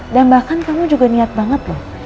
dan bahkan kamu juga niat banget loh